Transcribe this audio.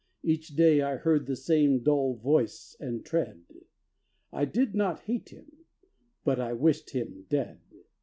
Each day I heard the same dull voice and tread; I did not hate him: but I wished him dead.